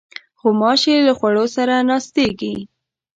غوماشې له خوړو سره ناستېږي.